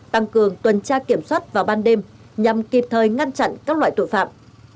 tăng cường tuần tra kiểm soát vào ban đêm nhằm kịp thời ngăn chặn các loại tội phạm